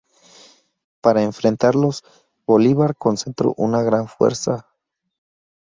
Para enfrentarlos Bolívar concentró una gran fuerza.